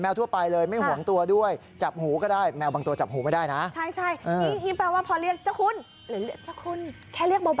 แค่เรียกเบามันต้องเรียกมันเลยสิ